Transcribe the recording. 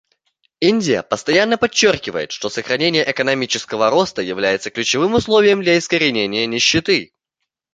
Индия постоянно подчеркивает, что сохранение экономического роста является ключевым условием для искоренения нищеты.